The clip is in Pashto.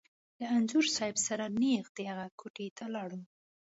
له انځور صاحب سره نېغ د هغه کوټې ته لاړو.